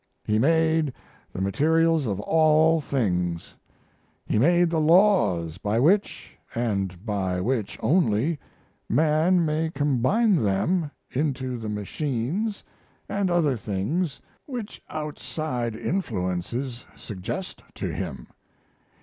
He made the materials of all things; He made the laws by which, & by which only, man may combine them into the machines & other things which outside influences suggest to him.